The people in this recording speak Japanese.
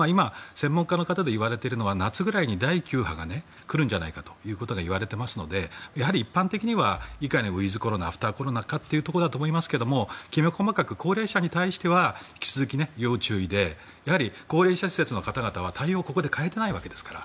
専門家で今言われているのは夏ぐらいに第９波が来るんじゃないかといわれていますので一般的にはいかにウィズコロナかアフターコロナかというところだと思いますがきめ細かく高齢者に対しては引き続き要注意で高齢者施設の方々は対応をここで変えてないわけですから。